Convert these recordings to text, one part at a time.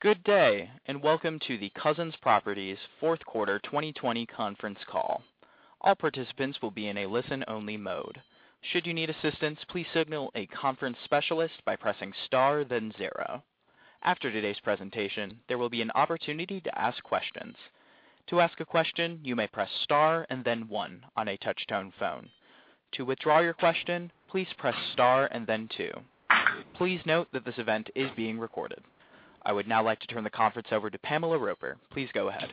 Good day, welcome to the Cousins Properties Fourth Quarter 2020 Conference Call. All participants will be in a listen-only mode. After today's presentation, there will be an opportunity to ask questions. Please note that this event is being recorded. I would now like to turn the conference over to Pamela Roper. Please go ahead.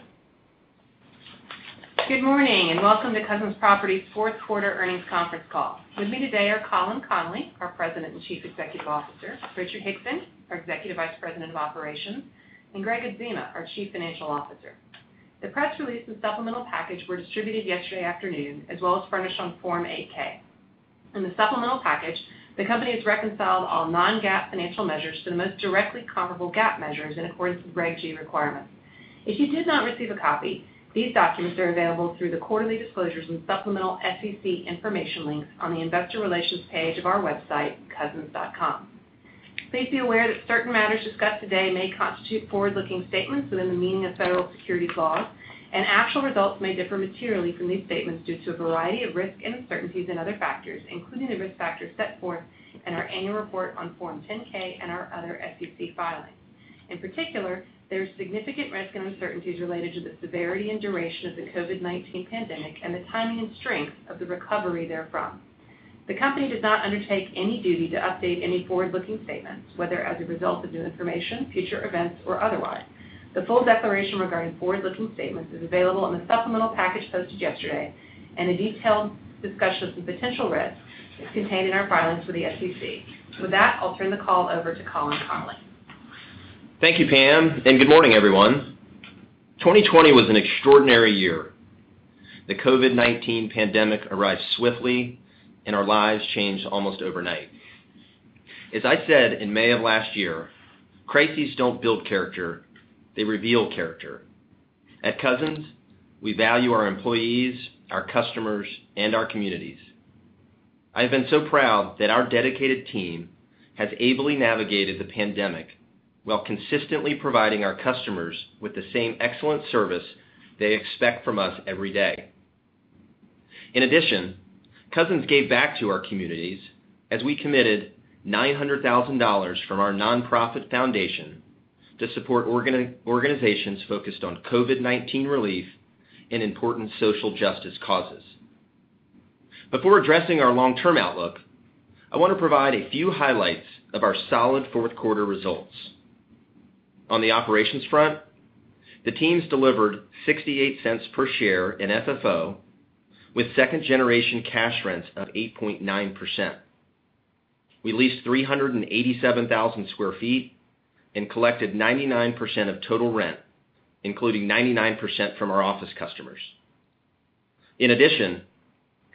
Good morning, and welcome to Cousins Properties Fourth Quarter Earnings Conference Call. With me today are Colin Connolly, our President and Chief Executive Officer, Richard Hickson, our Executive Vice President of Operations, and Gregg Adzema, our Chief Financial Officer. The press release and supplemental package were distributed yesterday afternoon, as well as furnished on Form 8K. In the supplemental package, the company has reconciled all non-GAAP financial measures to the most directly comparable GAAP measures in accordance with Reg G requirements. If you did not receive a copy, these documents are available through the quarterly disclosures and supplemental SEC information links on the investor relations page of our website, cousins.com. Please be aware that certain matters discussed today may constitute forward-looking statements within the meaning of federal securities laws, and actual results may differ materially from these statements due to a variety of risks and uncertainties and other factors, including the risk factors set forth in our annual report on Form 10-K and our other SEC filings. In particular, there are significant risks and uncertainties related to the severity and duration of the COVID-19 pandemic and the timing and strength of the recovery therefrom. The company does not undertake any duty to update any forward-looking statements, whether as a result of new information, future events, or otherwise. The full declaration regarding forward-looking statements is available in the supplemental package posted yesterday, and a detailed discussion of the potential risks is contained in our filings with the SEC. With that, I'll turn the call over to Colin Connolly. Thank you, Pam. Good morning, everyone. 2020 was an extraordinary year. The COVID-19 pandemic arrived swiftly, and our lives changed almost overnight. As I said in May of last year, crises don't build character, they reveal character. At Cousins, we value our employees, our customers, and our communities. I have been so proud that our dedicated team has ably navigated the pandemic while consistently providing our customers with the same excellent service they expect from us every day. In addition, Cousins gave back to our communities as we committed $900,000 from our nonprofit foundation to support organizations focused on COVID-19 relief and important social justice causes. Before addressing our long-term outlook, I want to provide a few highlights of our solid fourth quarter results. On the operations front, the teams delivered $0.68 per share in FFO, with second-generation cash rents of 8.9%. We leased 387,000 sq ft and collected 99% of total rent, including 99% from our office customers. In addition,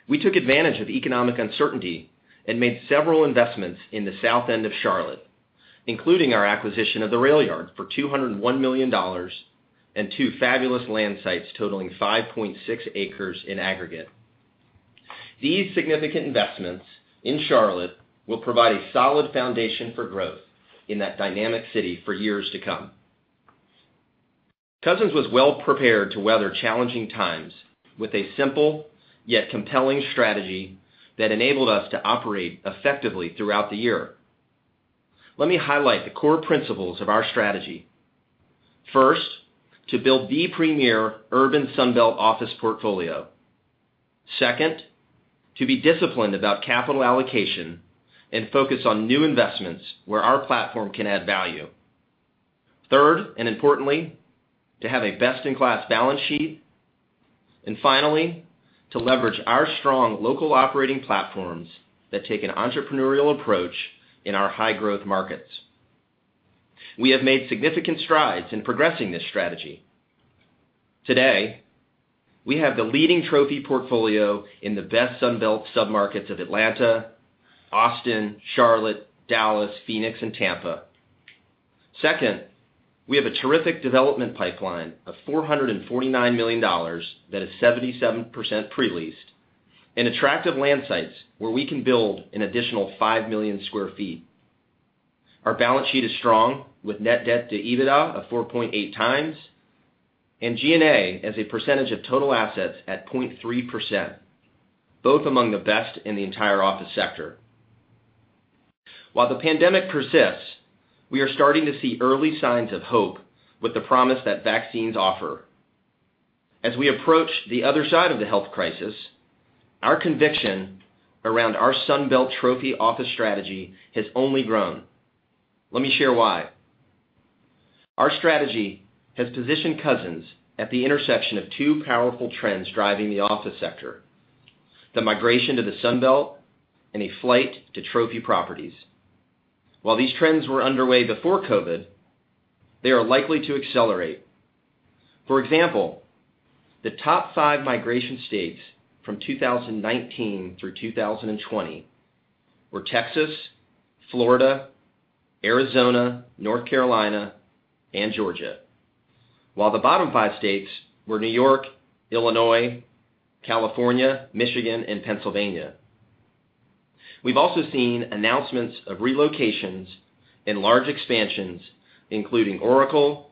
we took advantage of economic uncertainty and made several investments in the South End of Charlotte, including our acquisition of The RailYard for $201 million and two fabulous land sites totaling 5.6 acres in aggregate. These significant investments in Charlotte will provide a solid foundation for growth in that dynamic city for years to come. Cousins was well prepared to weather challenging times with a simple, yet compelling strategy that enabled us to operate effectively throughout the year. Let me highlight the core principles of our strategy. First, to build the premier urban Sun Belt office portfolio. Second, to be disciplined about capital allocation and focus on new investments where our platform can add value. Third, and importantly, to have a best-in-class balance sheet. Finally, to leverage our strong local operating platforms that take an entrepreneurial approach in our high-growth markets. We have made significant strides in progressing this strategy. Today, we have the leading trophy portfolio in the best Sun Belt submarkets of Atlanta, Austin, Charlotte, Dallas, Phoenix, and Tampa. Second, we have a terrific development pipeline of $449 million that is 77% pre-leased and attractive land sites where we can build an additional 5 million sq ft. Our balance sheet is strong, with net debt to EBITDA of 4.8x, and G&A as a percentage of total assets at 0.3%, both among the best in the entire office sector. While the pandemic persists, we are starting to see early signs of hope with the promise that vaccines offer. As we approach the other side of the health crisis, our conviction around our Sun Belt trophy office strategy has only grown. Let me share why. Our strategy has positioned Cousins at the intersection of two powerful trends driving the office sector: the migration to the Sun Belt, and a flight to trophy properties. While these trends were underway before COVID-19, they are likely to accelerate. For example, the top five migration states from 2019 through 2020 were Texas, Florida, Arizona, North Carolina, and Georgia, while the bottom five states were New York, Illinois, California, Michigan, and Pennsylvania. We've also seen announcements of relocations and large expansions, including Oracle,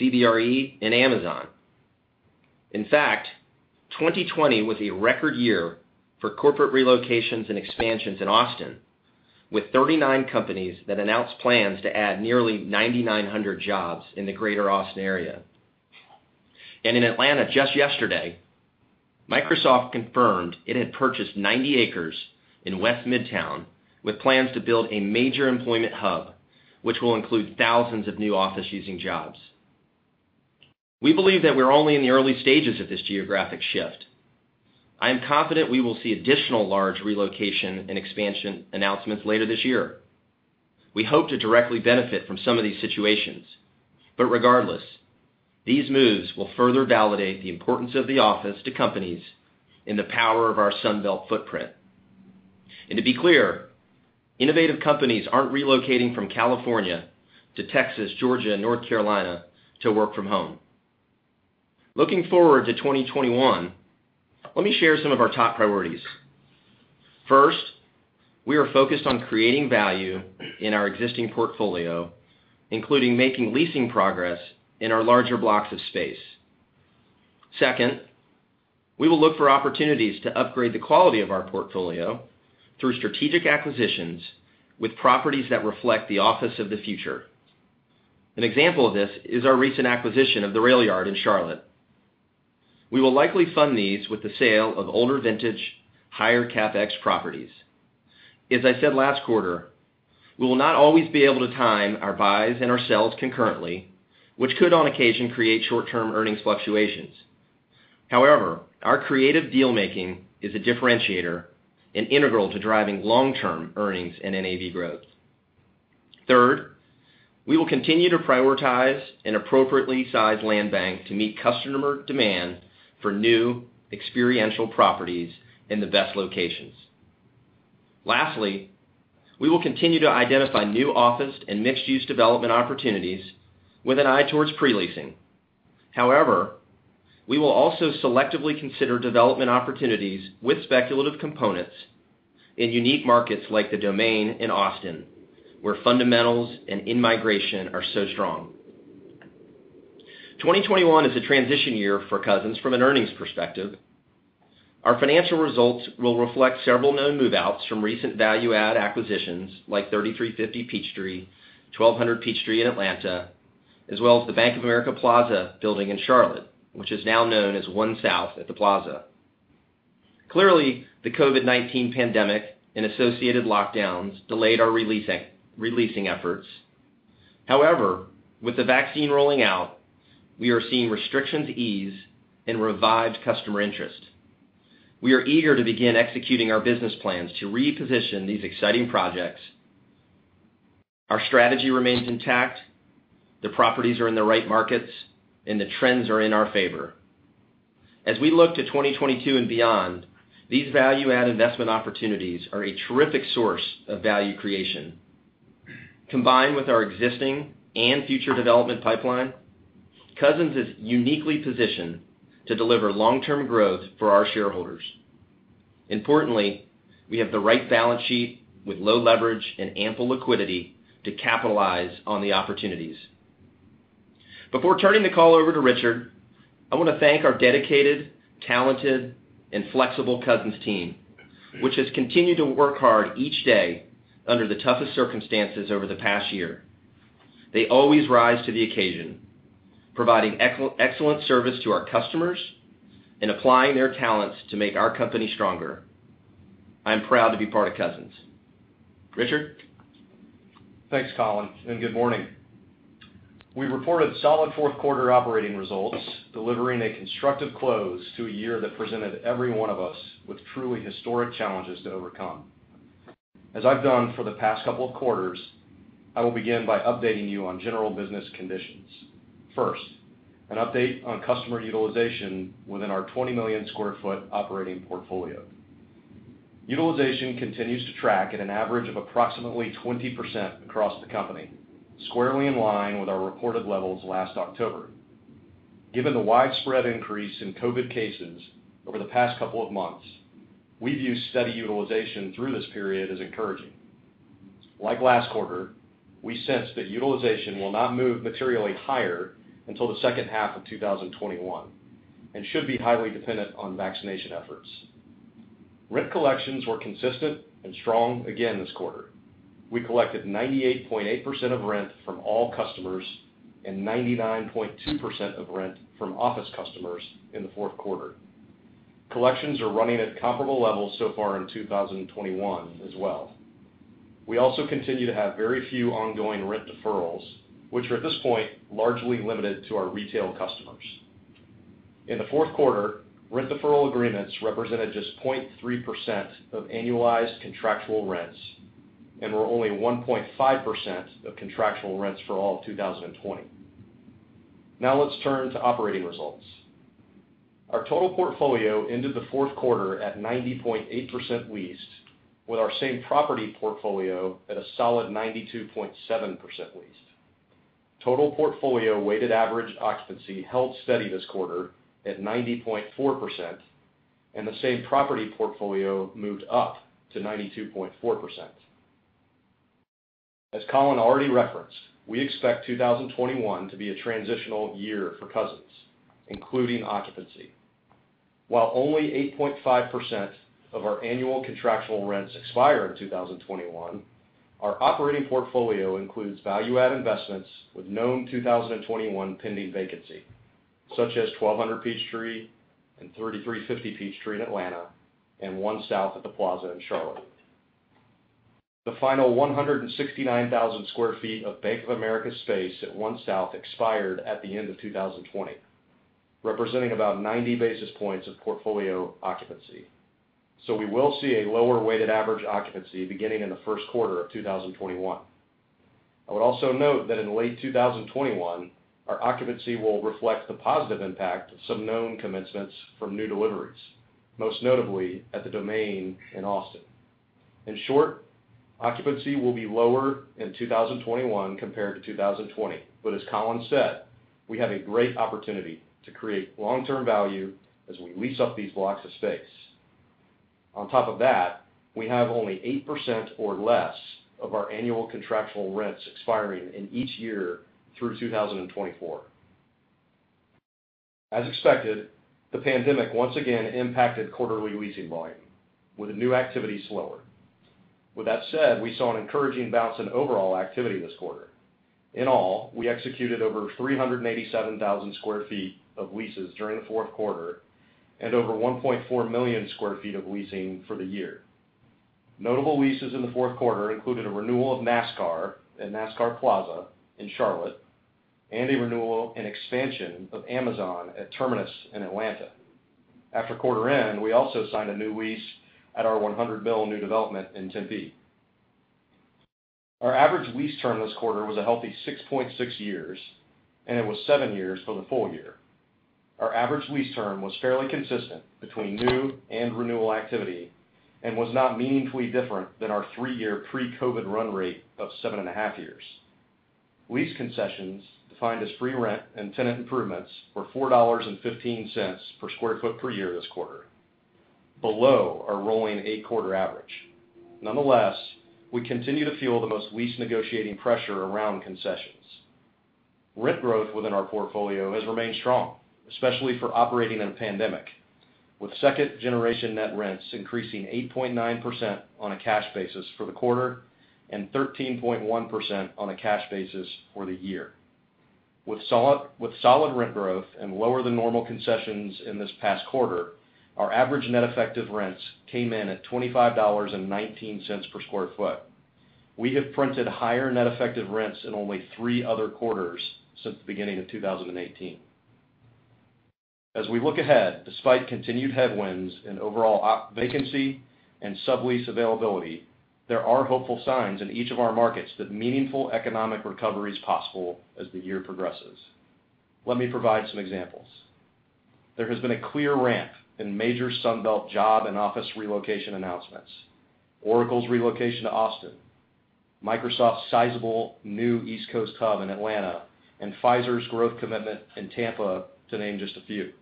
CBRE, and Amazon. In fact, 2020 was a record year for corporate relocations and expansions in Austin, with 39 companies that announced plans to add nearly 9,900 jobs in the greater Austin area. In Atlanta just yesterday, Microsoft confirmed it had purchased 90 acres in West Midtown with plans to build a major employment hub, which will include thousands of new office-using jobs. We believe that we're only in the early stages of this geographic shift. I am confident we will see additional large relocation and expansion announcements later this year. We hope to directly benefit from some of these situations. Regardless, these moves will further validate the importance of the office to companies and the power of our Sun Belt footprint. To be clear, innovative companies aren't relocating from California to Texas, Georgia, and North Carolina to work from home. Looking forward to 2021, let me share some of our top priorities. First, we are focused on creating value in our existing portfolio, including making leasing progress in our larger blocks of space. Second, we will look for opportunities to upgrade the quality of our portfolio through strategic acquisitions with properties that reflect the office of the future. An example of this is our recent acquisition of The RailYard in Charlotte. We will likely fund these with the sale of older vintage, higher CapEx properties. As I said last quarter, we will not always be able to time our buys and our sells concurrently, which could, on occasion, create short-term earnings fluctuations. Our creative deal-making is a differentiator and integral to driving long-term earnings and NAV growth. Third, we will continue to prioritize an appropriately sized land bank to meet customer demand for new experiential properties in the best locations. We will continue to identify new office and mixed-use development opportunities with an eye towards pre-leasing. We will also selectively consider development opportunities with speculative components in unique markets like The Domain in Austin, where fundamentals and in-migration are so strong. 2021 is a transition year for Cousins from an earnings perspective. Our financial results will reflect several known move-outs from recent value-add acquisitions like 3350 Peachtree, 1200 Peachtree in Atlanta, as well as the Bank of America Plaza building in Charlotte, which is now known as One South at The Plaza. Clearly, the COVID-19 pandemic and associated lockdowns delayed our re-leasing efforts. However, with the vaccine rolling out, we are seeing restrictions ease and revived customer interest. We are eager to begin executing our business plans to reposition these exciting projects. Our strategy remains intact. The properties are in the right markets, and the trends are in our favor. As we look to 2022 and beyond, these value add investment opportunities are a terrific source of value creation. Combined with our existing and future development pipeline, Cousins is uniquely positioned to deliver long-term growth for our shareholders. Importantly, we have the right balance sheet with low leverage and ample liquidity to capitalize on the opportunities. Before turning the call over to Richard, I want to thank our dedicated, talented, and flexible Cousins team, which has continued to work hard each day under the toughest circumstances over the past year. They always rise to the occasion, providing excellent service to our customers and applying their talents to make our company stronger. I am proud to be part of Cousins. Richard? Thanks, Colin. Good morning. We reported solid fourth quarter operating results, delivering a constructive close to a year that presented every one of us with truly historic challenges to overcome. As I've done for the past couple of quarters, I will begin by updating you on general business conditions. First, an update on customer utilization within our 20 million sq ft operating portfolio. Utilization continues to track at an average of approximately 20% across the company, squarely in line with our reported levels last October. Given the widespread increase in COVID cases over the past couple of months, we view steady utilization through this period as encouraging. Like last quarter, we sense that utilization will not move materially higher until the second half of 2021 and should be highly dependent on vaccination efforts. Rent collections were consistent and strong again this quarter. We collected 98.8% of rent from all customers and 99.2% of rent from office customers in the fourth quarter. Collections are running at comparable levels so far in 2021 as well. We also continue to have very few ongoing rent deferrals, which are at this point largely limited to our retail customers. In the fourth quarter, rent deferral agreements represented just 0.3% of annualized contractual rents and were only 1.5% of contractual rents for all of 2020. Now let's turn to operating results. Our total portfolio ended the fourth quarter at 90.8% leased with our same property portfolio at a solid 92.7% leased. Total portfolio weighted average occupancy held steady this quarter at 90.4%, and the same property portfolio moved up to 92.4%. As Colin already referenced, we expect 2021 to be a transitional year for Cousins, including occupancy. While only 8.5% of our annual contractual rents expire in 2021, our operating portfolio includes value-add investments with known 2021 pending vacancy, such as 1200 Peachtree and 3350 Peachtree in Atlanta, and One South at The Plaza in Charlotte. The final 169,000 sq ft of Bank of America space at One South expired at the end of 2020, representing about 90 basis points of portfolio occupancy. We will see a lower weighted average occupancy beginning in the first quarter of 2021. I would also note that in late 2021, our occupancy will reflect the positive impact of some known commencements from new deliveries, most notably at The Domain in Austin. In short, occupancy will be lower in 2021 compared to 2020. As Colin said, we have a great opportunity to create long-term value as we lease up these blocks of space. On top of that, we have only 8% or less of our annual contractual rents expiring in each year through 2024. As expected, the pandemic once again impacted quarterly leasing volume, with new activity slower. With that said, we saw an encouraging bounce in overall activity this quarter. In all, we executed over 387,000 sq ft of leases during the fourth quarter and over 1.4 million sq ft of leasing for the year. Notable leases in the fourth quarter included a renewal of NASCAR at NASCAR Plaza in Charlotte and a renewal and expansion of Amazon at Terminus in Atlanta. After quarter end, we also signed a new lease at our 100 Mill new development in Tempe. Our average lease term this quarter was a healthy 6.6 years, and it was seven years for the full year. Our average lease term was fairly consistent between new and renewal activity and was not meaningfully different than our three-year pre-COVID run rate of 7.5 years. Lease concessions, defined as free rent and tenant improvements, were $4.15 per square foot per year this quarter, below our rolling eight-quarter average. Nonetheless, we continue to feel the most lease negotiating pressure around concessions. Rent growth within our portfolio has remained strong, especially for operating in a pandemic, with second-generation net rents increasing 8.9% on a cash basis for the quarter and 13.1% on a cash basis for the year. With solid rent growth and lower-than-normal concessions in this past quarter, our average net effective rents came in at $25.19 per square foot. We have printed higher net effective rents in only three other quarters since the beginning of 2018. As we look ahead, despite continued headwinds in overall vacancy and sublease availability, there are hopeful signs in each of our markets that meaningful economic recovery is possible as the year progresses. Let me provide some examples. There has been a clear ramp in major Sun Belt job and office relocation announcements. Oracle's relocation to Austin, Microsoft's sizable new East Coast hub in Atlanta, and Pfizer's growth commitment in Tampa, to name just a few.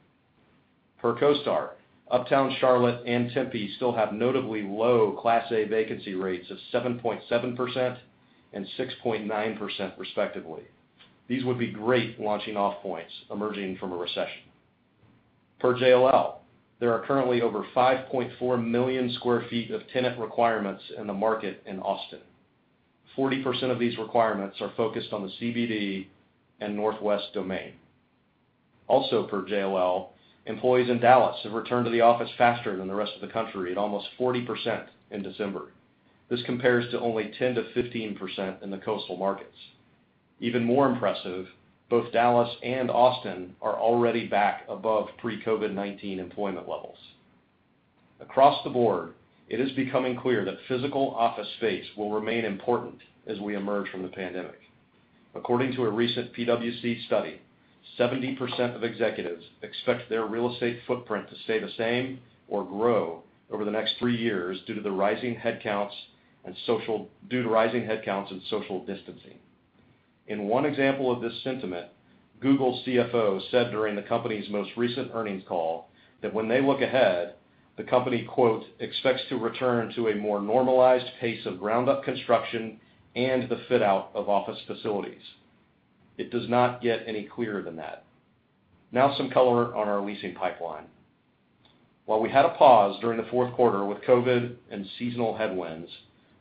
Per CoStar, Uptown Charlotte and Tempe still have notably low Class A vacancy rates of 7.7% and 6.9% respectively. These would be great launching-off points emerging from a recession. Per JLL, there are currently over 5.4 million sq ft of tenant requirements in the market in Austin. 40% of these requirements are focused on the CBD and Northwest Domain. Per JLL, employees in Dallas have returned to the office faster than the rest of the country at almost 40% in December. This compares to only 10%-15% in the coastal markets. Even more impressive, both Dallas and Austin are already back above pre-COVID-19 employment levels. Across the board, it is becoming clear that physical office space will remain important as we emerge from the pandemic. According to a recent PwC study, 70% of executives expect their real estate footprint to stay the same or grow over the next three years due to rising headcounts and social distancing. In one example of this sentiment, Google's Chief Financial Officer said during the company's most recent earnings call that when they look ahead, the company, quote, "Expects to return to a more normalized pace of ground-up construction and the fit-out of office facilities." It does not get any clearer than that. Now some color on our leasing pipeline. While we had a pause during the fourth quarter with COVID-19 and seasonal headwinds,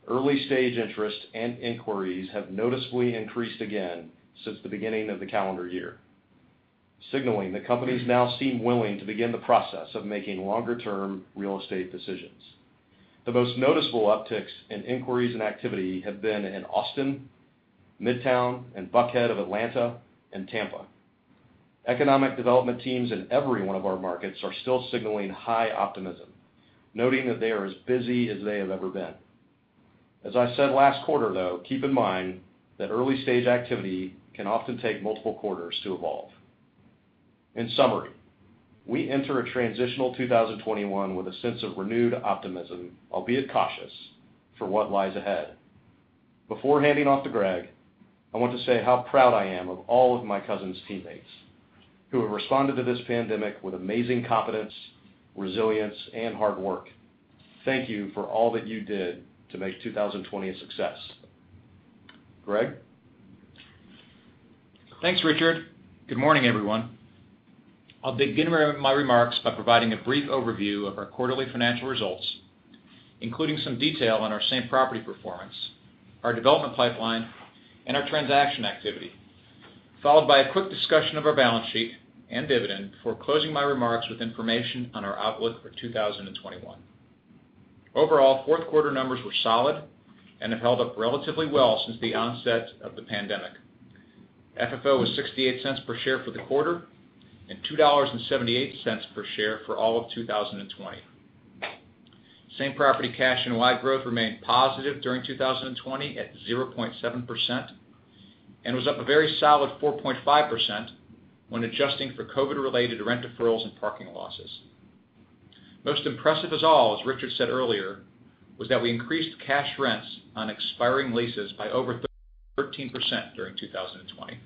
early-stage interests and inquiries have noticeably increased again since the beginning of the calendar year, signaling that companies now seem willing to begin the process of making longer-term real estate decisions. The most noticeable upticks in inquiries and activity have been in Austin, Midtown, and Buckhead of Atlanta, and Tampa. Economic development teams in every one of our markets are still signaling high optimism, noting that they are as busy as they have ever been. As I said last quarter, though, keep in mind that early-stage activity can often take multiple quarters to evolve. In summary, we enter a transitional 2021 with a sense of renewed optimism, albeit cautious, for what lies ahead. Before handing off to Gregg, I want to say how proud I am of all of my Cousins teammates who have responded to this pandemic with amazing competence, resilience, and hard work. Thank you for all that you did to make 2020 a success. Gregg? Thanks, Richard. Good morning, everyone. I'll begin my remarks by providing a brief overview of our quarterly financial results, including some detail on our same-property performance, our development pipeline, and our transaction activity, followed by a quick discussion of our balance sheet and dividend before closing my remarks with information on our outlook for 2021. Overall, fourth quarter numbers were solid and have held up relatively well since the onset of the pandemic. FFO was $0.68 per share for the quarter and $2.78 per share for all of 2020. Same-property cash NOI growth remained positive during 2020 at 0.7% and was up a very solid 4.5% when adjusting for COVID related rent deferrals and parking losses. Most impressive as all, as Richard said earlier, was that we increased cash rents on expiring leases by over 13% during 2020.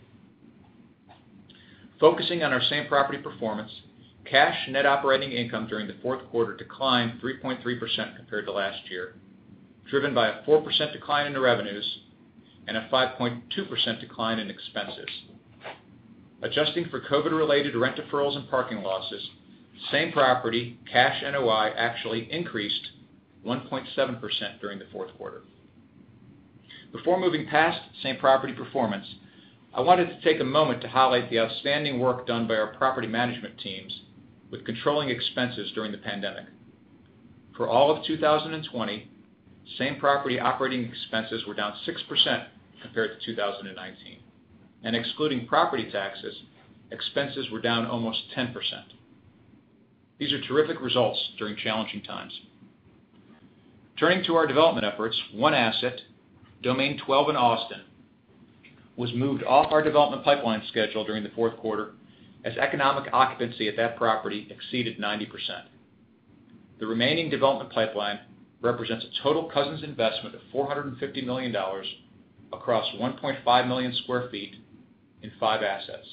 Focusing on our same-property performance, cash net operating income during the fourth quarter declined 3.3% compared to last year, driven by a 4% decline in revenues and a 5.2% decline in expenses. Adjusting for COVID-related rent deferrals and parking losses, same-property cash NOI actually increased 1.7% during the fourth quarter. Before moving past same-property performance, I wanted to take a moment to highlight the outstanding work done by our property management teams with controlling expenses during the pandemic. For all of 2020, same-property operating expenses were down 6% compared to 2019. Excluding property taxes, expenses were down almost 10%. These are terrific results during challenging times. Turning to our development efforts, one asset, Domain 12 in Austin, was moved off our development pipeline schedule during the fourth quarter as economic occupancy at that property exceeded 90%. The remaining development pipeline represents a total Cousins investment of $450 million across 1.5 million sq ft in five assets.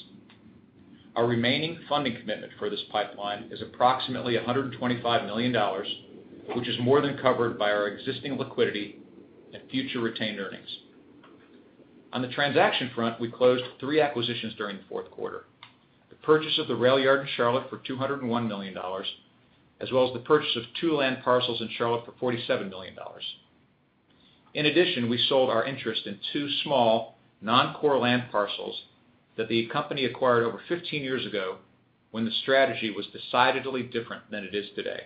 Our remaining funding commitment for this pipeline is approximately $125 million, which is more than covered by our existing liquidity and future retained earnings. On the transaction front, we closed three acquisitions during the fourth quarter. The purchase of The RailYard in Charlotte for $201 million, as well as the purchase of two land parcels in Charlotte for $47 million. In addition, we sold our interest in two small non-core land parcels that the company acquired over 15 years ago when the strategy was decidedly different than it is today,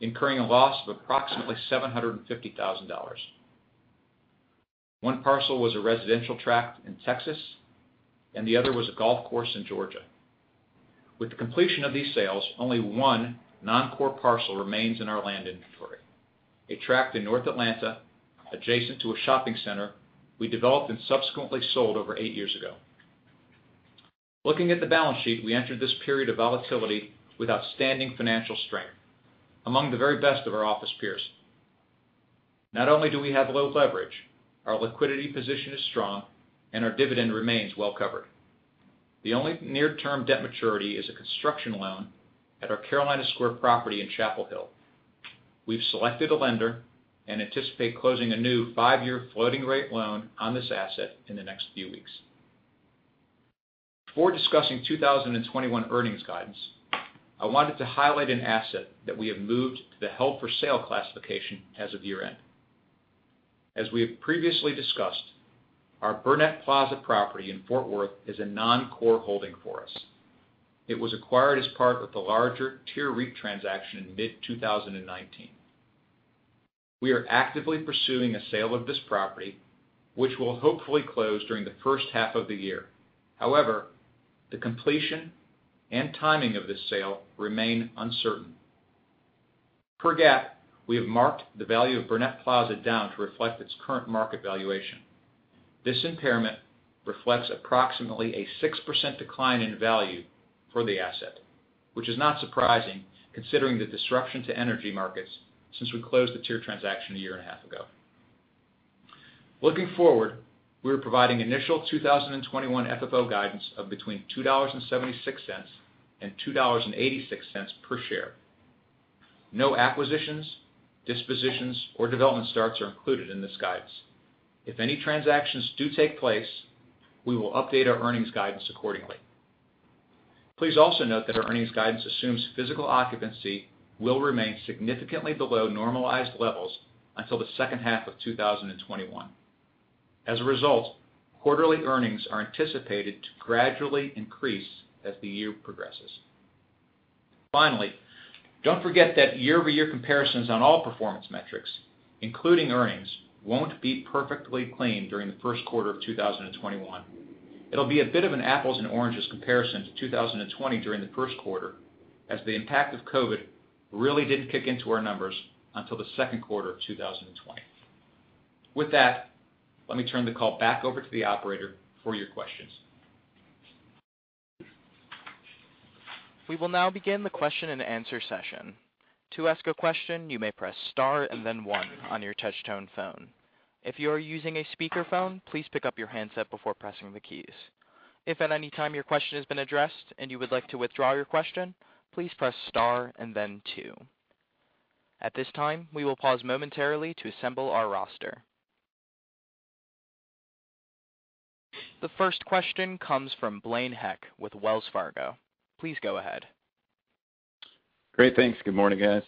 incurring a loss of approximately $750,000. One parcel was a residential tract in Texas, and the other was a golf course in Georgia. With the completion of these sales, only one non-core parcel remains in our land inventory. A tract in north Atlanta, adjacent to a shopping center we developed and subsequently sold over eight years ago. Looking at the balance sheet, we entered this period of volatility with outstanding financial strength, among the very best of our office peers. Not only do we have low leverage, our liquidity position is strong, and our dividend remains well covered. The only near term debt maturity is a construction loan at our Carolina Square property in Chapel Hill. We've selected a lender and anticipate closing a new five-year floating rate loan on this asset in the next few weeks. Before discussing 2021 earnings guidance, I wanted to highlight an asset that we have moved to the held for sale classification as of year-end. As we have previously discussed, our Burnett Plaza property in Fort Worth is a non-core holding for us. It was acquired as part of the larger TIER REIT transaction in mid-2019. We are actively pursuing a sale of this property, which will hopefully close during the first half of the year. However, the completion and timing of this sale remain uncertain. Per GAAP, we have marked the value of Burnett Plaza down to reflect its current market valuation. This impairment reflects approximately a 6% decline in value for the asset, which is not surprising considering the disruption to energy markets since we closed the TIER transaction a year and a half ago. Looking forward, we are providing initial 2021 FFO guidance of between $2.76 and $2.86 per share. No acquisitions, dispositions, or development starts are included in this guidance. If any transactions do take place, we will update our earnings guidance accordingly. Please also note that our earnings guidance assumes physical occupancy will remain significantly below normalized levels until the second half of 2021. As a result, quarterly earnings are anticipated to gradually increase as the year progresses. Finally, don't forget that year-over-year comparisons on all performance metrics, including earnings, won't be perfectly clean during the first quarter of 2021. It'll be a bit of an apples and oranges comparison to 2020 during the first quarter as the impact of COVID-19 really didn't kick into our numbers until the second quarter of 2020. With that, let me turn the call back over to the Operator for your questions. We will now begin the question-and-answer session. To ask a question, you may press star and then one on your touch-tone phone. If you are using a speakerphone, please pick up your handset before pressing the keys. If at any time your question has been addressed and you would like to withdraw your question, please press star and then two. At this time, we will pause momentarily to assemble our roster. The first question comes from Blaine Heck with Wells Fargo. Please go ahead. Great. Thanks. Good morning, guys.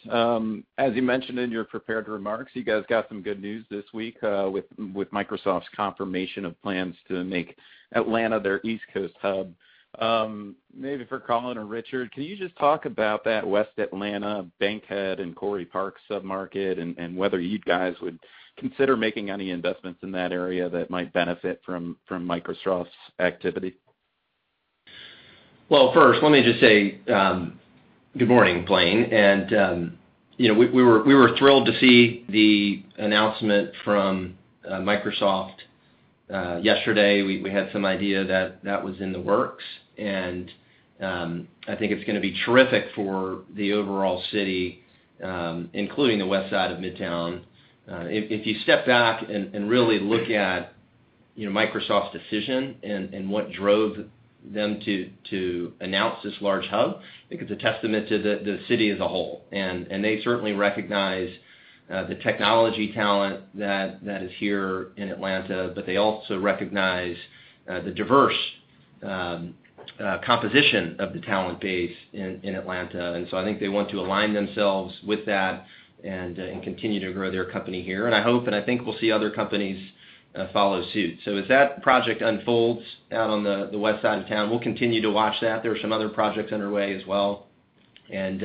As you mentioned in your prepared remarks, you guys got some good news this week, with Microsoft's confirmation of plans to make Atlanta their East Coast hub. Maybe for Colin or Richard, can you just talk about that West Atlanta, Bankhead, and Quarry Yards sub-market, and whether you guys would consider making any investments in that area that might benefit from Microsoft's activity? Well, first, let me just say good morning, Blaine. We were thrilled to see the announcement from Microsoft yesterday. We had some idea that that was in the works, and I think it's going to be terrific for the overall city, including the west side of Midtown. If you step back and really look at Microsoft's decision and what drove them to announce this large hub, I think it's a testament to the city as a whole. They certainly recognize the technology talent that is here in Atlanta, but they also recognize the diverse composition of the talent base in Atlanta. I think they want to align themselves with that and continue to grow their company here. I hope, and I think we'll see other companies follow suit. As that project unfolds out on the west side of town, we'll continue to watch that. There are some other projects underway as well, and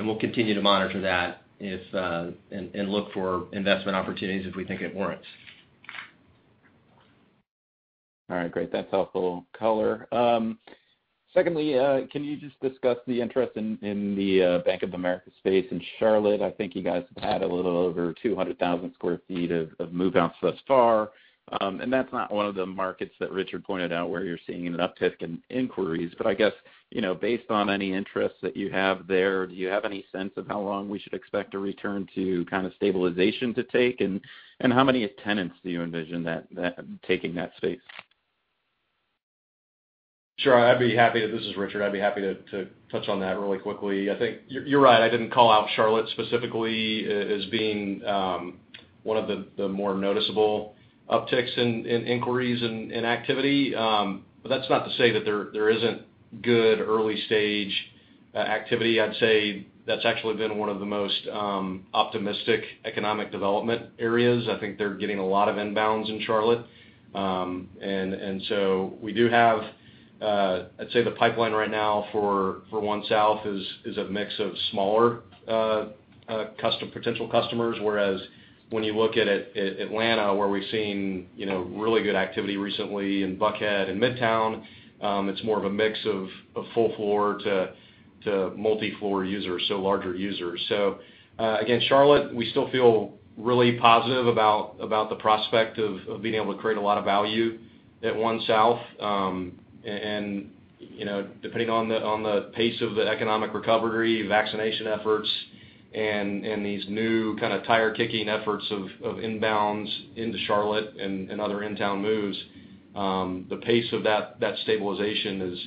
we'll continue to monitor that and look for investment opportunities if we think it warrants. All right, great. That's helpful color. Secondly, can you just discuss the interest in the Bank of America space in Charlotte? I think you guys have had a little over 200,000 sq ft of move-out thus far. That's not one of the markets that Richard pointed out where you're seeing an uptick in inquiries, but I guess, based on any interest that you have there, do you have any sense of how long we should expect a return to kind of stabilization to take? How many tenants do you envision taking that space? Sure, I'd be happy to. This is Richard. I'd be happy to touch on that really quickly. I think you're right. I didn't call out Charlotte specifically as being one of the more noticeable upticks in inquiries and activity. That's not to say that there isn't good early-stage activity. I'd say that's actually been one of the most optimistic economic development areas. I think they're getting a lot of inbounds in Charlotte. We do have, I'd say, the pipeline right now for One South is a mix of smaller potential customers, whereas when you look at Atlanta, where we've seen really good activity recently in Buckhead and Midtown, it's more of a mix of full-floor to multi-floor users, so larger users. Again, Charlotte, we still feel really positive about the prospect of being able to create a lot of value at One South. Depending on the pace of the economic recovery, vaccination efforts, and these new kind of tire-kicking efforts of inbounds into Charlotte and other in-town moves, the pace of that stabilization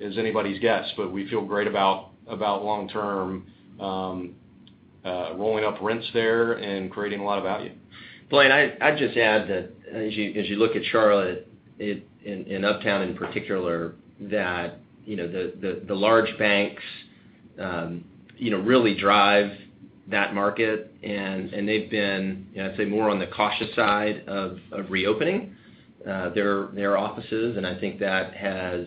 is anybody's guess, but we feel great about long-term rolling up rents there and creating a lot of value. Blaine, I'd just add that as you look at Charlotte, in Uptown in particular, that the large banks really drive that market, and they've been, I'd say, more on the cautious side of reopening their offices, and I think that has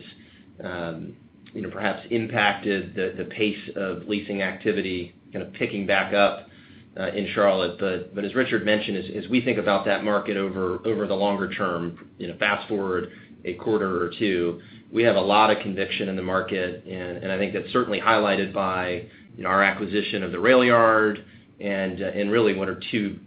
perhaps impacted the pace of leasing activity kind of picking back up in Charlotte. As Richard mentioned, as we think about that market over the longer term, fast-forward a quarter or two, we have a lot of conviction in the market, and I think that's certainly highlighted by our acquisition of The RailYard and really one or two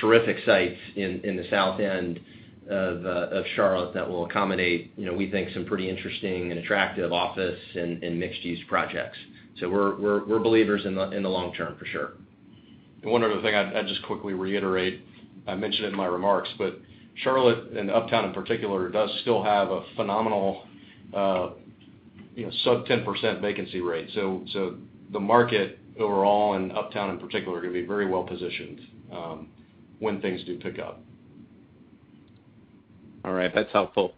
terrific sites in the south end of Charlotte that will accommodate, we think, some pretty interesting and attractive office and mixed-use projects. We're believers in the long term, for sure. One other thing I'd just quickly reiterate. I mentioned it in my remarks, but Charlotte, and Uptown in particular, does still have a phenomenal sub 10% vacancy rate. The market overall, and Uptown in particular, are going to be very well positioned when things do pick up. All right. That's helpful.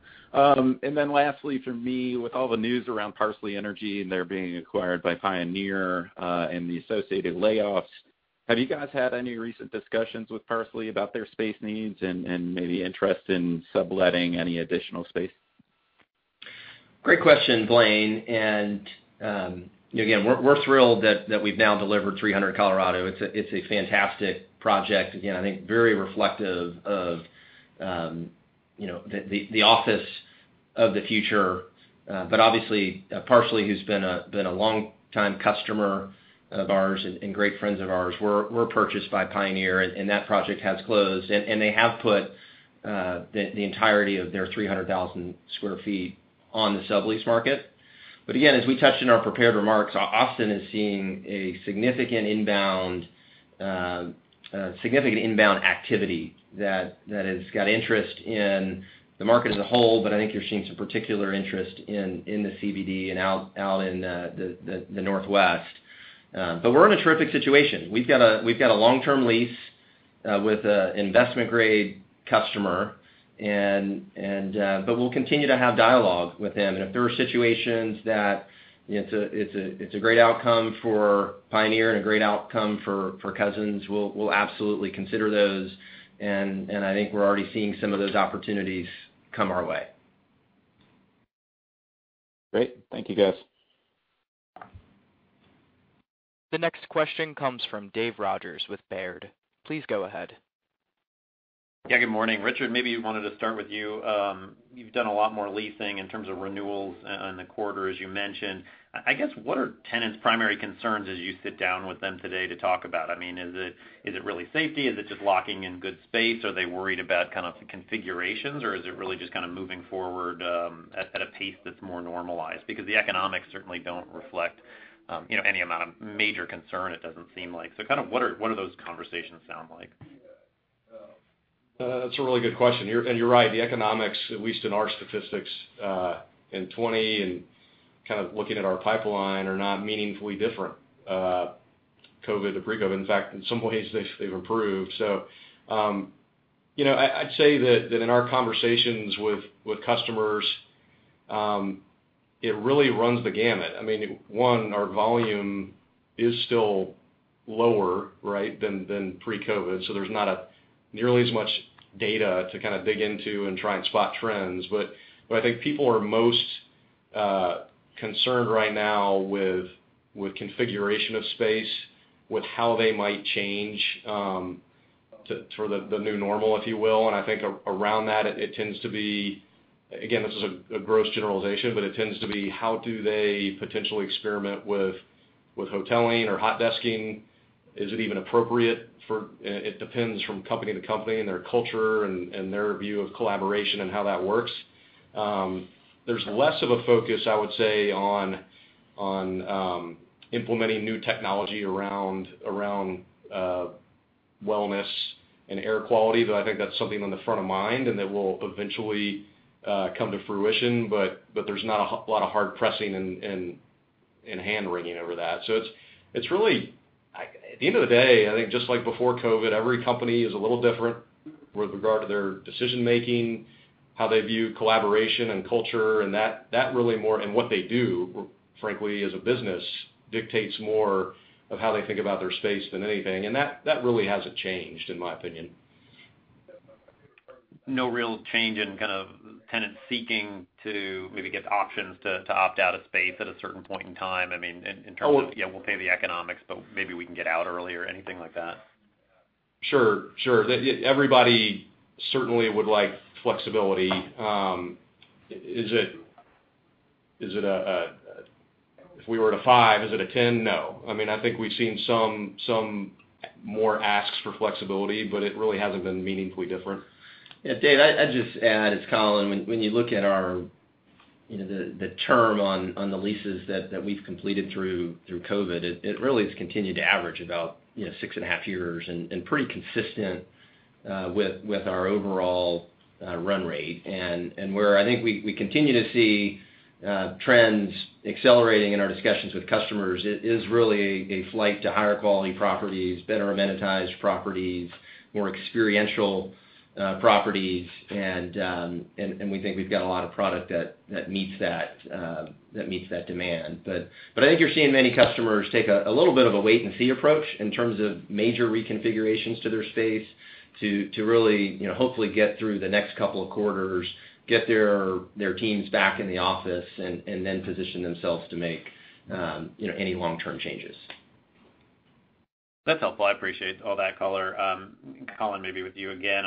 Lastly from me, with all the news around Parsley Energy and their being acquired by Pioneer, and the associated layoffs, have you guys had any recent discussions with Parsley about their space needs and maybe interest in subletting any additional space? Great question, Blaine. Again, we're thrilled that we've now delivered 300 Colorado. It's a fantastic project. Again, I think very reflective of the office of the future. Obviously, Parsley, who's been a long-time customer of ours and great friends of ours, were purchased by Pioneer, and that project has closed. They have put the entirety of their 300,000 sq ft on the sublease market. Again, as we touched in our prepared remarks, Austin is seeing a significant inbound activity that has got interest in the market as a whole. I think you're seeing some particular interest in the CBD and out in the Northwest. We're in a terrific situation. We've got a long-term lease with an investment-grade customer, but we'll continue to have dialogue with them. If there are situations that it's a great outcome for Pioneer and a great outcome for Cousins, we'll absolutely consider those. I think we're already seeing some of those opportunities come our way. Great. Thank you, guys. The next question comes from Dave Rogers with Baird. Please go ahead. Yeah. Good morning. Richard, maybe wanted to start with you. You've done a lot more leasing in terms of renewals in the quarter, as you mentioned. I guess, what are tenants' primary concerns as you sit down with them today to talk about? I mean, is it really safety? Is it just locking in good space? Are they worried about kind of the configurations, or is it really just kind of moving forward at a pace that's more normalized? The economics certainly don't reflect any amount of major concern, it doesn't seem like. Kind of, what do those conversations sound like? That's a really good question. You're right, the economics, at least in our statistics, in 2020 and kind of looking at our pipeline, are not meaningfully different COVID to pre-COVID. In fact, in some ways, they've improved. I'd say that in our conversations with customers, it really runs the gamut. I mean, one, our volume is still lower, right, than pre-COVID. There's not nearly as much data to kind of dig into and try and spot trends. I think people are most concerned right now with configuration of space, with how they might change to the new normal, if you will. I think around that, it tends to be, again, this is a gross generalization, but it tends to be how do they potentially experiment with hoteling or hot desking? Is it even appropriate? It depends from company to company and their culture and their view of collaboration and how that works. There's less of a focus, I would say, on implementing new technology around wellness and air quality. I think that's something on the front of mind and that will eventually come to fruition. There's not a lot of hard pressing and hand-wringing over that. At the end of the day, I think just like before COVID, every company is a little different with regard to their decision-making, how they view collaboration and culture, and what they do, frankly, as a business dictates more of how they think about their space than anything. That really hasn't changed, in my opinion. No real change in kind of tenants seeking to maybe get options to opt out of space at a certain point in time? I mean, in terms of we'll pay the economics, but maybe we can get out early or anything like that? Sure. Everybody certainly would like flexibility. If we were at a five, is it a 10? No. I mean, I think we've seen some more asks for flexibility, but it really hasn't been meaningfully different. Yeah, Dave, I'd just add, when you look at the term on the leases that we've completed through COVID, it really has continued to average about six and a half years and pretty consistent with our overall run rate. Where I think we continue to see trends accelerating in our discussions with customers, it is really a flight to higher quality properties, better amenitized properties, more experiential properties, and we think we've got a lot of product that meets that demand. I think you're seeing many customers take a little bit of a wait and see approach in terms of major reconfigurations to their space to really hopefully get through the next couple of quarters, get their teams back in the office, and then position themselves to make any long-term changes. That's helpful. I appreciate all that. Colin, maybe with you again.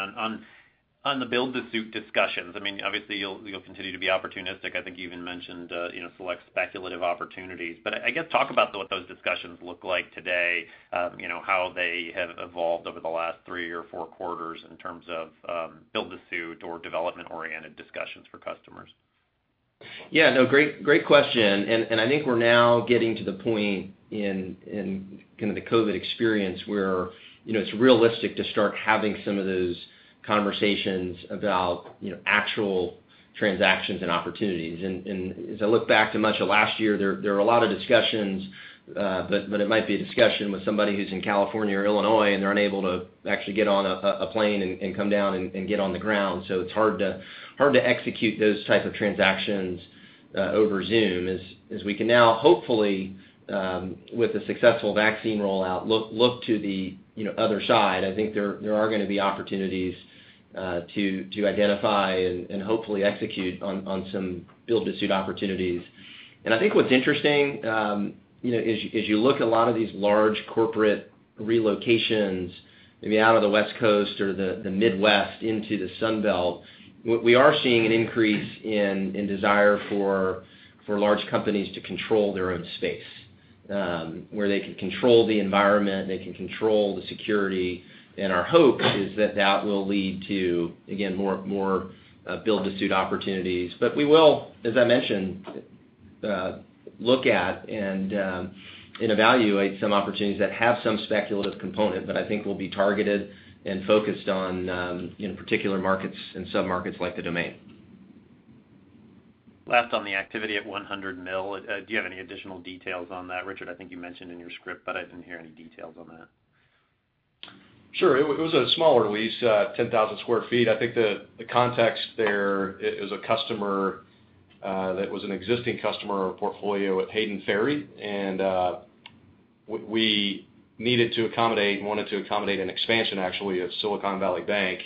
On the build to suit discussions, I mean, obviously, you'll continue to be opportunistic. I think you even mentioned select speculative opportunities. I guess, talk about what those discussions look like today, how they have evolved over the last three or four quarters in terms of build to suit or development-oriented discussions for customers. Yeah. No, great question. I think we're now getting to the point in kind of the COVID experience where it's realistic to start having some of those conversations about actual transactions and opportunities. As I look back to much of last year, there are a lot of discussions, but it might be a discussion with somebody who's in California or Illinois, and they're unable to actually get on a plane and come down and get on the ground. It's hard to execute those type of transactions over Zoom. As we can now, hopefully, with a successful vaccine rollout, look to the other side. I think there are going to be opportunities to identify and hopefully execute on some build to suit opportunities. I think what's interesting, as you look at a lot of these large corporate relocations, maybe out of the West Coast or the Midwest into the Sun Belt, we are seeing an increase in desire for large companies to control their own space. Where they can control the environment, they can control the security. Our hope is that that will lead to, again, more build-to-suit opportunities. We will, as I mentioned, look at and evaluate some opportunities that have some speculative component, but I think will be targeted and focused on particular markets and submarkets like The Domain. Last, on the activity at 100 Mill, do you have any additional details on that? Richard, I think you mentioned in your script, but I didn't hear any details on that. Sure. It was a smaller lease, 10,000 sq ft. I think the context there is a customer that was an existing customer of our portfolio at Hayden Ferry. We needed to accommodate and wanted to accommodate an expansion, actually, of Silicon Valley Bank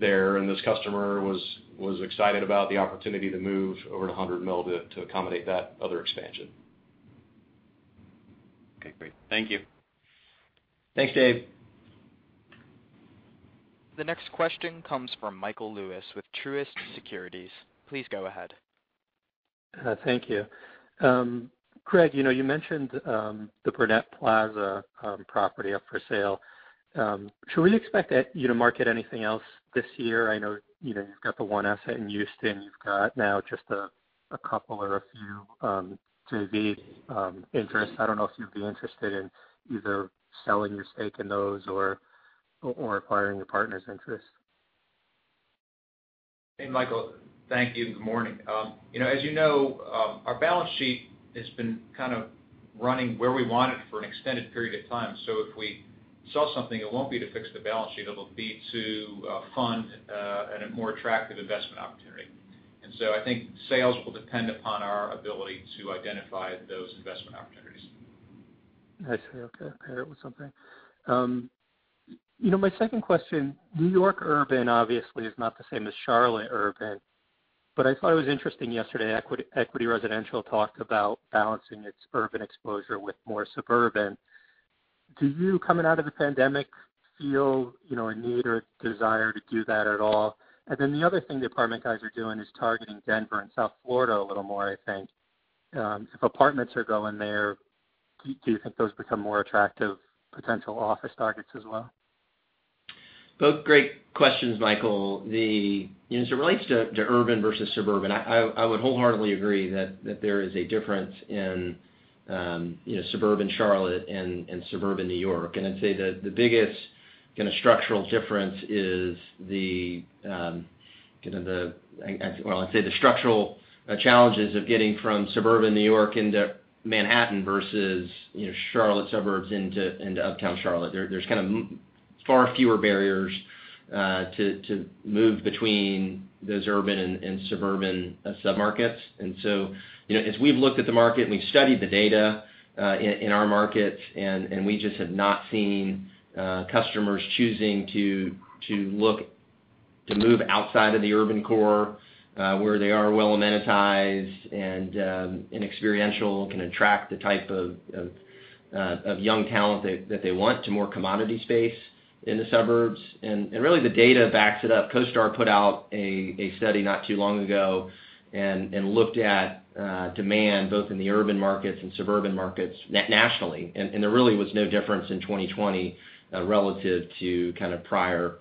there, and this customer was excited about the opportunity to move over to 100 Mill to accommodate that other expansion. Okay, great. Thank you. Thanks, Dave. The next question comes from Michael Lewis with Truist Securities. Please go ahead. Thank you. Gregg, you mentioned the Burnett Plaza property up for sale. Should we expect you to market anything else this year? I know you've got the one asset in Houston, you've got now just a couple or a few to the interest. I don't know if you'd be interested in either selling your stake in those or acquiring your partner's interest. Hey, Michael. Thank you, and good morning. As you know, our balance sheet has been kind of running where we want it for an extended period of time. If we sell something, it won't be to fix the balance sheet, it'll be to fund at a more attractive investment opportunity. I think sales will depend upon our ability to identify those investment opportunities. I see. Okay. That was something. My second question, New York urban obviously is not the same as Charlotte urban, but I thought it was interesting yesterday, Equity Residential talked about balancing its urban exposure with more suburban. Do you, coming out of the pandemic, feel a need or desire to do that at all? The other thing the apartment guys are doing is targeting Denver and South Florida a little more, I think. If apartments are going there, do you think those become more attractive potential office targets as well? Both great questions, Michael. As it relates to urban versus suburban, I would wholeheartedly agree that there is a difference in suburban Charlotte and suburban New York. I'd say that the biggest kind of structural difference Well, I'd say the structural challenges of getting from suburban New York into Manhattan versus Charlotte suburbs into uptown Charlotte. There's kind of far fewer barriers to move between those urban and suburban submarkets. As we've looked at the market, and we've studied the data in our markets, and we just have not seen customers choosing to look to move outside of the urban core, where they are well-amenitized and experiential, and can attract the type of young talent that they want, to more commodity space in the suburbs. Really, the data backs it up. CoStar put out a study not too long ago and looked at demand both in the urban markets and suburban markets nationally. There really was no difference in 2020 relative to kind of prior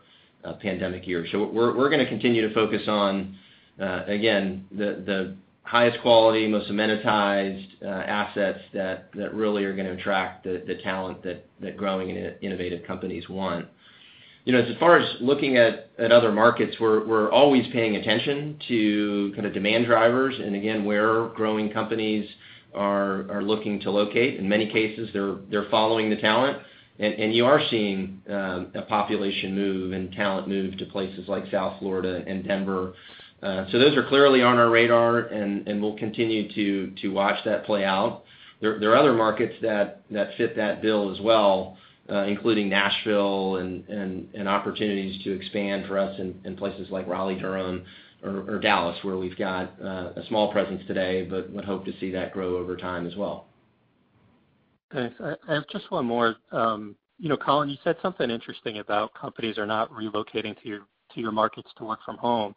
pandemic years. We're going to continue to focus on, again, the highest quality, most amenitized assets that really are going to attract the talent that growing and innovative companies want. As far as looking at other markets, we're always paying attention to kind of demand drivers and again, where growing companies are looking to locate. In many cases, they're following the talent. You are seeing a population move and talent move to places like South Florida and Denver. Those are clearly on our radar, and we'll continue to watch that play out. There are other markets that fit that bill as well, including Nashville and opportunities to expand for us in places like Raleigh, Durham, or Dallas, where we've got a small presence today, but would hope to see that grow over time as well. Thanks. I have just one more. Colin, you said something interesting about companies are not relocating to your markets to work from home.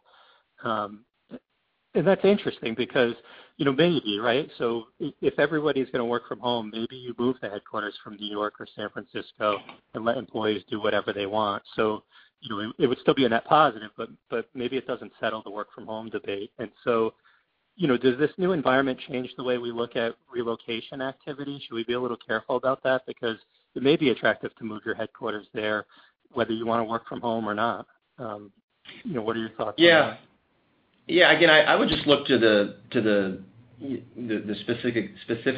That's interesting because maybe, right? If everybody's going to work from home, maybe you move the headquarters from New York or San Francisco and let employees do whatever they want. It would still be a net positive, but maybe it doesn't settle the work-from-home debate. Does this new environment change the way we look at relocation activity? Should we be a little careful about that? Because it may be attractive to move your headquarters there, whether you want to work from home or not. What are your thoughts on that? Yeah. Again, I would just look to the specific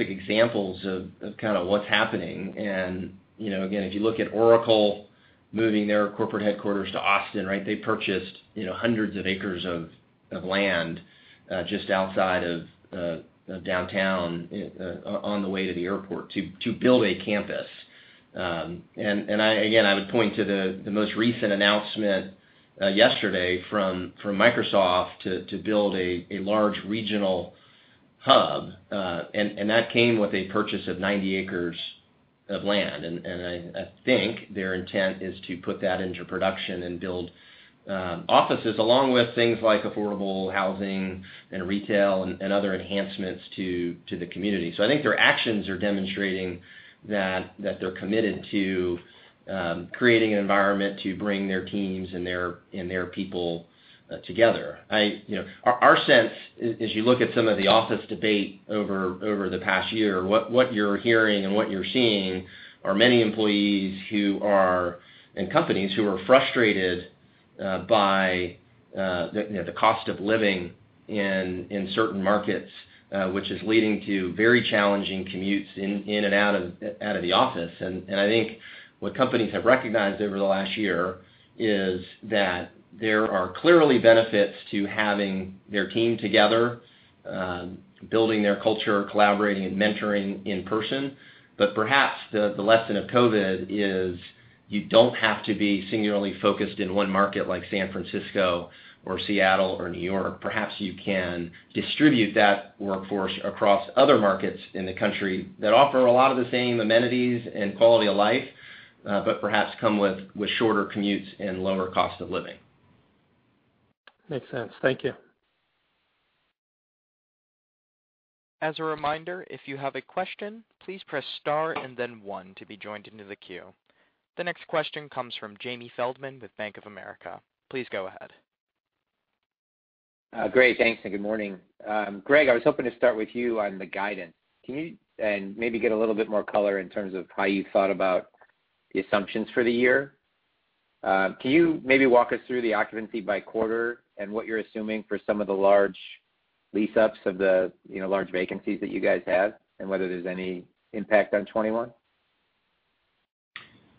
examples of kind of what's happening. Again, if you look at Oracle moving their corporate headquarters to Austin, right? They purchased hundreds of acres of land, just outside of downtown, on the way to the airport, to build a campus. Again, I would point to the most recent announcement yesterday from Microsoft to build a large regional hub. That came with a purchase of 90 acres of land. I think their intent is to put that into production and build offices along with things like affordable housing and retail and other enhancements to the community. I think their actions are demonstrating that they're committed to creating an environment to bring their teams and their people together. Our sense, as you look at some of the office debate over the past year, what you're hearing and what you're seeing are many employees and companies who are frustrated by the cost of living in certain markets, which is leading to very challenging commutes in and out of the office. I think what companies have recognized over the last year is that there are clearly benefits to having their team together, building their culture, collaborating, and mentoring in person. Perhaps the lesson of COVID is you don't have to be singularly focused in one market like San Francisco or Seattle or New York. Perhaps you can distribute that workforce across other markets in the country that offer a lot of the same amenities and quality of life, but perhaps come with shorter commutes and lower cost of living. Makes sense. Thank you. As a reminder, if you have a question, please press star and then one to be joined into the queue. The next question comes from Jamie Feldman with Bank of America. Please go ahead. Great. Thanks, and good morning. Gregg, I was hoping to start with you on the guidance. Can you maybe give a little bit more color in terms of how you thought about the assumptions for the year? Can you maybe walk us through the occupancy by quarter and what you're assuming for some of the large lease-ups of the large vacancies that you guys have, and whether there's any impact on 2021?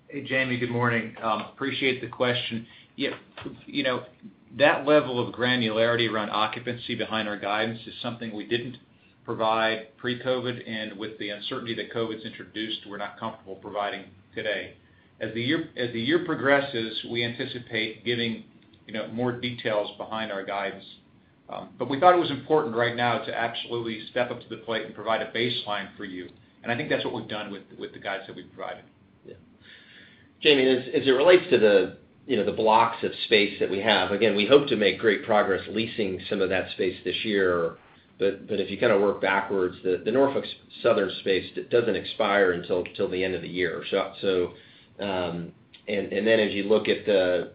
Hey, Jamie. Good morning. Appreciate the question. That level of granularity around occupancy behind our guidance is something we didn't provide pre-COVID-19, and with the uncertainty that COVID-19's introduced, we're not comfortable providing today. As the year progresses, we anticipate giving more details behind our guidance. We thought it was important right now to absolutely step up to the plate and provide a baseline for you. I think that's what we've done with the guidance that we've provided. Jamie, as it relates to the blocks of space that we have, again, we hope to make great progress leasing some of that space this year. If you kind of work backwards, the Norfolk Southern space doesn't expire until the end of the year. Then as you look at the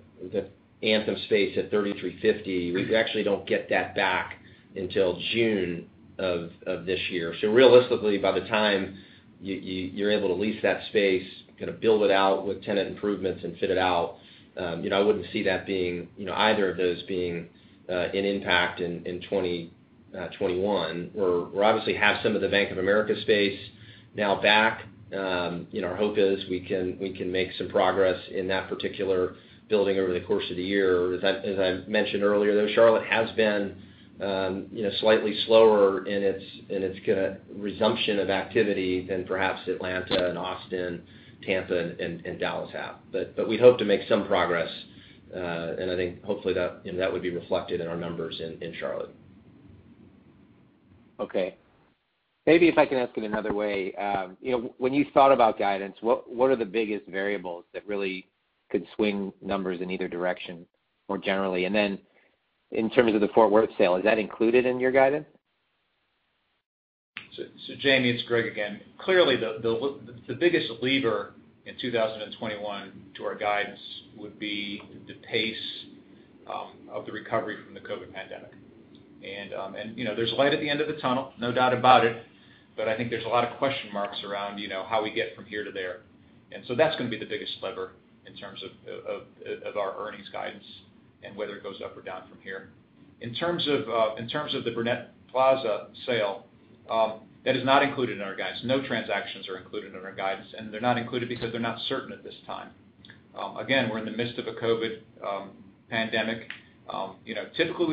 Anthem space at 3350, we actually don't get that back until June of this year. Realistically, by the time you're able to lease that space, kind of build it out with tenant improvements, and fit it out, I wouldn't see either of those being an impact in 2021. We obviously have some of the Bank of America space now back. Our hope is we can make some progress in that particular building over the course of the year. As I mentioned earlier, though, Charlotte has been slightly slower in its resumption of activity than perhaps Atlanta and Austin, Tampa, and Dallas have. We hope to make some progress. I think hopefully that would be reflected in our numbers in Charlotte. Okay. Maybe if I can ask it another way. When you thought about guidance, what are the biggest variables that really could swing numbers in either direction more generally? In terms of the Fort Worth sale, is that included in your guidance? Jamie, it's Gregg again. Clearly, the biggest lever in 2021 to our guidance would be the pace of the recovery from the COVID-19. There's light at the end of the tunnel, no doubt about it, but I think there's a lot of question marks around how we get from here to there. That's going to be the biggest lever in terms of our earnings guidance and whether it goes up or down from here. In terms of the Burnett Plaza sale, that is not included in our guidance. No transactions are included in our guidance, and they're not included because they're not certain at this time. Again, we're in the midst of a COVID-19. Typically, we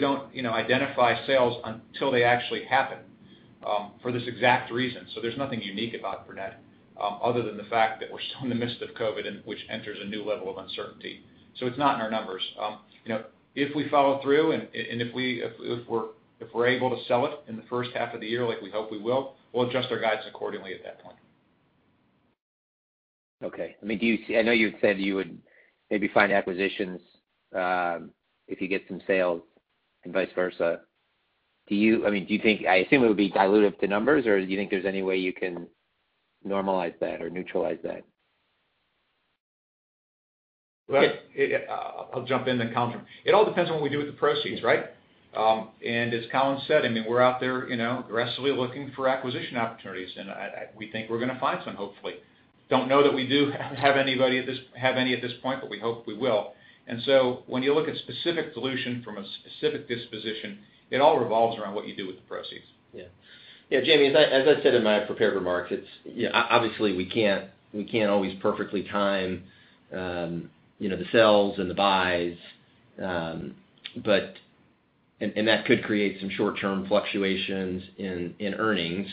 don't identify sales until they actually happen for this exact reason. There's nothing unique about Burnett, other than the fact that we're still in the midst of COVID, which enters a new level of uncertainty. It's not in our numbers. If we follow through and if we're able to sell it in the first half of the year like we hope we will, we'll adjust our guidance accordingly at that point. Okay. I know you've said you would maybe find acquisitions if you get some sales and vice versa. I assume it would be dilutive to numbers, or do you think there's any way you can normalize that or neutralize that? I'll jump in, then Colin. It all depends on what we do with the proceeds, right? As Colin said, we're out there aggressively looking for acquisition opportunities, and we think we're going to find some, hopefully. Don't know that we do have any at this point, but we hope we will. When you look at specific dilution from a specific disposition, it all revolves around what you do with the proceeds. Yeah. Jamie, as I said in my prepared remarks, obviously we can't always perfectly time the sells and the buys. That could create some short-term fluctuations in earnings.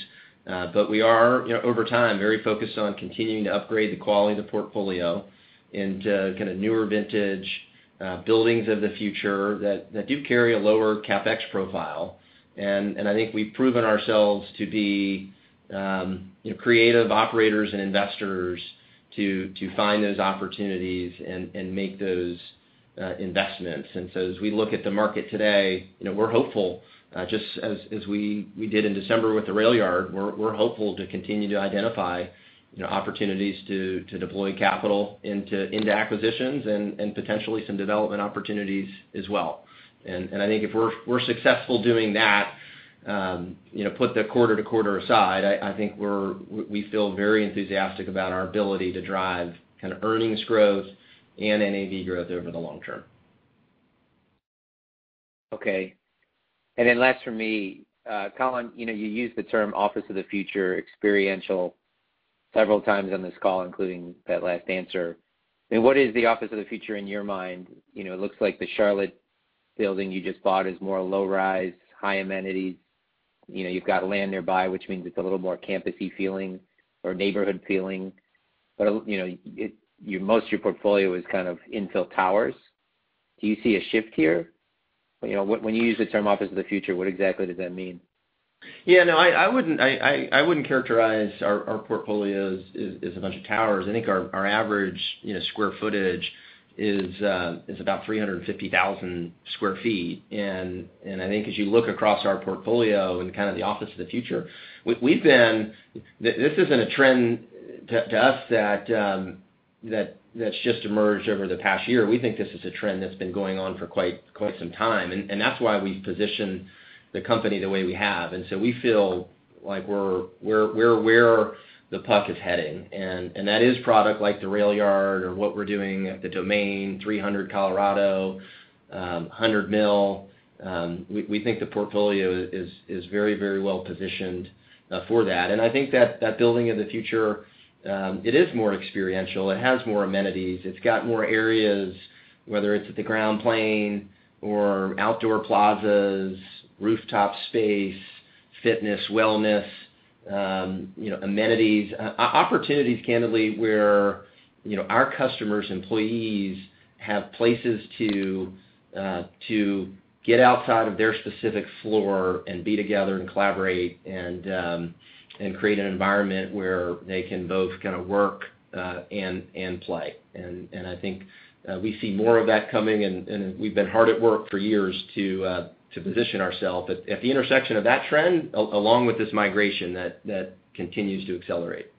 We are, over time, very focused on continuing to upgrade the quality of the portfolio into kind of newer vintage buildings of the future that do carry a lower CapEx profile. I think we've proven ourselves to be creative operators and investors to find those opportunities and make those investments. As we look at the market today, we're hopeful, just as we did in December with The RailYard, we're hopeful to continue to identify opportunities to deploy capital into acquisitions and potentially some development opportunities as well. I think if we're successful doing that, put the quarter to quarter aside, I think we feel very enthusiastic about our ability to drive kind of earnings growth and NAV growth over the long term. Okay. Last from me, Colin, you used the term office of the future, experiential, several times on this call, including that last answer. What is the office of the future in your mind? It looks like The RailYard you just bought is more low-rise, high amenities. You've got land nearby, which means it's a little more campus-y feeling or neighborhood feeling. Most your portfolio is kind of infill towers. Do you see a shift here? When you use the term office of the future, what exactly does that mean? Yeah, no, I wouldn't characterize our portfolio as a bunch of towers. I think our average square footage is about 350,000 sq ft. I think as you look across our portfolio and kind of the office of the future, this isn't a trend to us that's just emerged over the past year. We think this is a trend that's been going on for quite some time, and that's why we've positioned the company the way we have. We feel like we're aware the puck is heading, and that is product like The RailYard or what we're doing at The Domain, 300 Colorado, 100 Mill. We think the portfolio is very well positioned for that. I think that building of the future, it is more experiential. It has more amenities. It's got more areas, whether it's at the ground plane or outdoor plazas, rooftop space, fitness, wellness, amenities. Opportunities, candidly, where our customers, employees have places to get outside of their specific floor and be together and collaborate and create an environment where they can both kind of work and play. I think we see more of that coming, and we've been hard at work for years to position ourself at the intersection of that trend, along with this migration that continues to accelerate.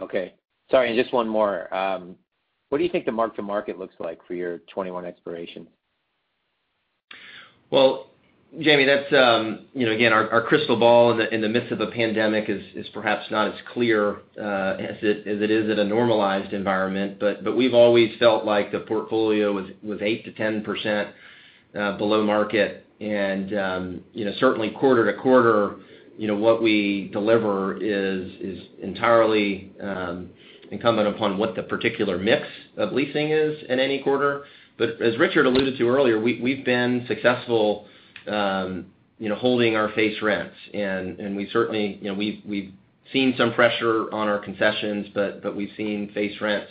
Okay. Sorry, and just one more. What do you think the mark-to-market looks like for your 2021 expiration? Well, Jamie, again, our crystal ball in the midst of a pandemic is perhaps not as clear as it is in a normalized environment. We've always felt like the portfolio was 8%-10% below market. Certainly quarter to quarter, what we deliver is entirely incumbent upon what the particular mix of leasing is in any quarter. As Richard alluded to earlier, we've been successful holding our face rents. We certainly, we've seen some pressure on our concessions, but we've seen face rents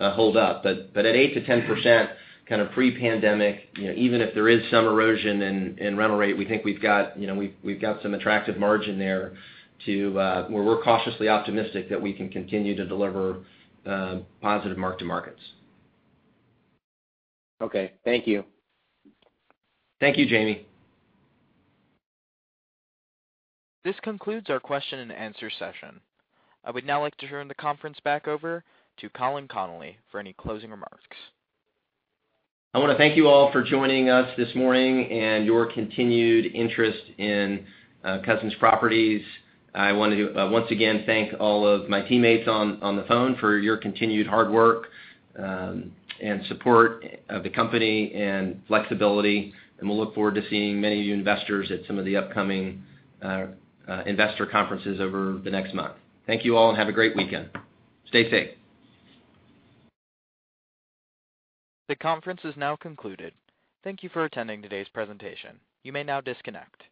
hold up. At 8%-10%, kind of pre-pandemic, even if there is some erosion in rental rate, we think we've got some attractive margin there, where we're cautiously optimistic that we can continue to deliver positive mark-to-markets. Okay. Thank you. Thank you, Jamie. This concludes our question and answer session. I would now like to turn the conference back over to Colin Connolly for any closing remarks. I want to thank you all for joining us this morning and your continued interest in Cousins Properties. I want to once again thank all of my teammates on the phone for your continued hard work and support of the company and flexibility, and we'll look forward to seeing many of you investors at some of the upcoming investor conferences over the next month. Thank you all, and have a great weekend. Stay safe. The conference is now concluded. Thank you for attending today's presentation. You may now disconnect.